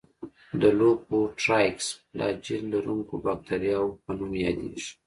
د لوفوټرایکس فلاجیل لرونکو باکتریاوو په نوم یادیږي.